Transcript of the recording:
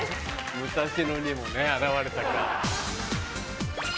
武蔵野にも現れたか。